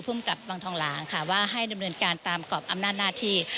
ภูมิกับวังทองหลางค่ะว่าให้ดำเนินการตามกรอบอำนาจหน้าที่